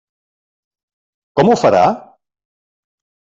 Com ho farà?